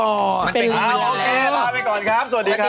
โอเคพาไปก่อนครับสวัสดีครับ